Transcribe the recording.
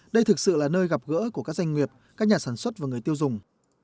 đây thực sự là nơi gặp gỡ của các doanh nghiệp các nhà sản xuất và người tiêu dùng